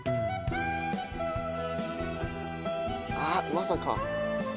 まさか。